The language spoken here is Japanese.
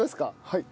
はい。